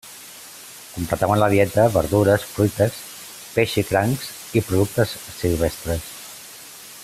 Completaven la dieta, verdures, fruites, peix i crancs, i productes silvestres.